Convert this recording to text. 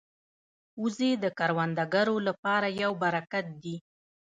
وزې د کروندګرو لپاره یو برکت دي